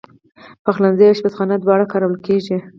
پخلنځی او آشپزخانه دواړه کارول کېږي.